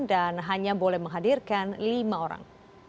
dan hanya boleh menghadirkan lima orang